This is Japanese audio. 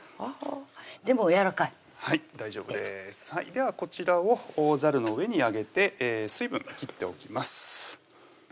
でもやわらかいはい大丈夫ですではこちらをざるの上にあげて水分切っておきます